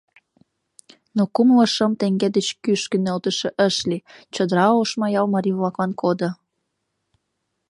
Но кумло шым теҥге деч кӱшкӧ нӧлтышӧ ыш лий, чодыра Ошмаял марий-влаклан кодо.